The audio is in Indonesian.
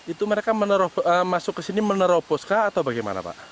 itu mereka masuk ke sini meneroboskah atau bagaimana pak